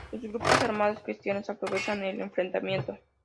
Los grupos armados cristianos aprovechan el enfrentamiento.